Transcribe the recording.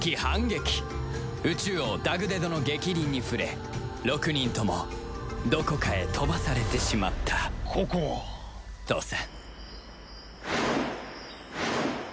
宇蟲王ダグデドの逆鱗に触れ６人ともどこかへ飛ばされてしまったとさ